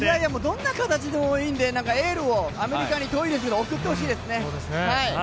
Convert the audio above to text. どんな形でもいいんでエールをアメリカに遠いですけど送ってほしいですね。